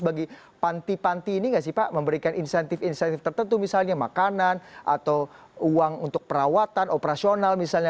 bagi panti panti ini nggak sih pak memberikan insentif insentif tertentu misalnya makanan atau uang untuk perawatan operasional misalnya